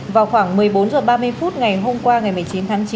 vào khoảng một mươi bốn h ba mươi phút ngày hôm qua ngày một mươi chín tháng chín